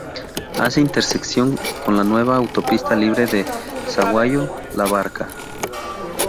Hace intersección con la nueva autopista libre de Sahuayo- La Barca.